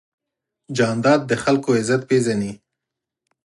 جانداد د خلکو عزت پېژني.